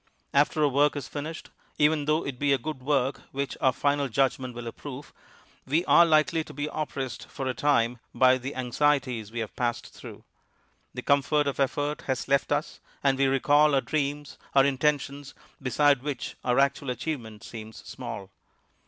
After a work is finished, even though it be a good work which our final judgment will approve, we are likely to be oppressed for a time by the anxieties we have passed through; the comfort of effort has left us, and we recall our dreams, our intentions, beside which our actual achievement seems small.